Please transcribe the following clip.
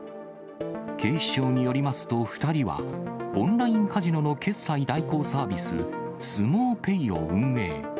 警視庁によりますと２人は、オンラインカジノの決済代行サービス、スモウペイを運営。